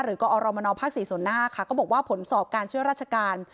กอรมนภ๔ส่วนหน้าค่ะก็บอกว่าผลสอบการช่วยราชการ